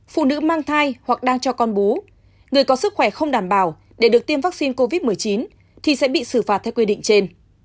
phụ nữ mang thai hoặc đang cho con bú người có sức khỏe không đảm bảo để được tiêm vaccine covid một mươi chín thì sẽ bị xử phạt theo quy định trên